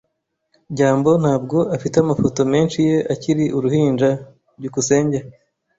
byambo ntabwo afite amafoto menshi ye akiri uruhinja. byukusenge